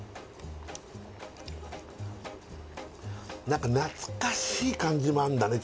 何か懐かしい感じもあんだね